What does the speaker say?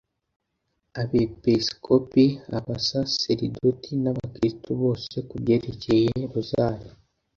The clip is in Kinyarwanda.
abepiskopi, abasaserdoti n'abakristu bose ku byerekeye rozari